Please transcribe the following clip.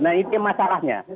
nah itu masalahnya